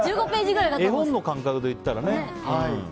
絵本の感覚で言ったらね。